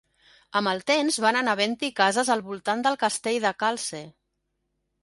Amb el temps van anar havent-hi cases al voltant del castell de Calce.